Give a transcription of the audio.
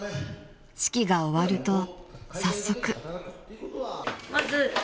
［式が終わると早速］